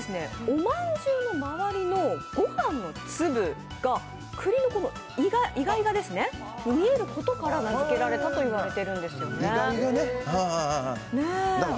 おまんじゅうのまわりのご飯の粒がくりのいがいがに見えることから名付けられたと言われているんですよね。